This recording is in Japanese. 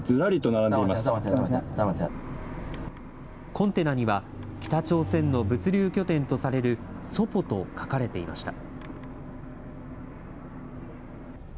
コンテナには、北朝鮮の物流拠点とされるソポと書かれていました。